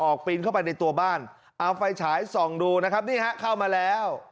ปีนเข้าไปในตัวบ้านเอาไฟฉายส่องดูนะครับนี่ฮะเข้ามาแล้ว